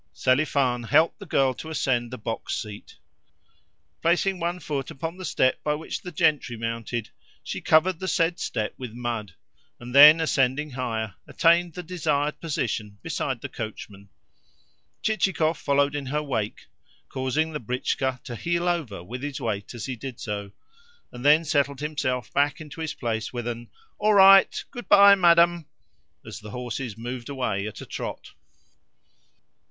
Selifan helped the girl to ascend to the box seat. Placing one foot upon the step by which the gentry mounted, she covered the said step with mud, and then, ascending higher, attained the desired position beside the coachman. Chichikov followed in her wake (causing the britchka to heel over with his weight as he did so), and then settled himself back into his place with an "All right! Good bye, madam!" as the horses moved away at a trot.